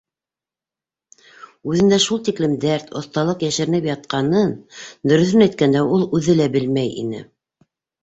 Үҙендә шул тиклем дәрт, оҫталыҡ йәшеренеп ятҡанын, дөрөҫөн әйткәндә, ул үҙе лә белмәй ине.